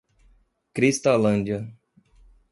Cristalândia